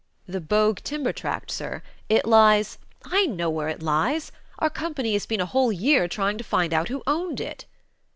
"The Bogue timber tract, sir. It lies " "I know where it lies. Our company has been a whole year trying to find out who owned it."